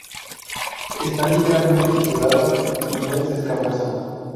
Está ligeramente fisurada y no es escamosa.